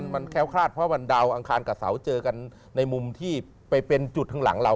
มันค์ราศาสตร์เพราะว่าดาวอังคารกับเสาร์เจอกันในมุมที่เป็นจุดข้างหลังเรา